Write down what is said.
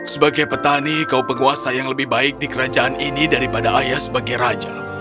sebagai petani kau penguasa yang lebih baik di kerajaan ini daripada ayah sebagai raja